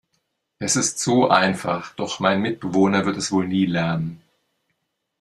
Es ist so einfach, doch mein Mitbewohner wird es wohl nie lernen.